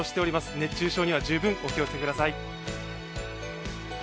熱中症には十分お気をつけください。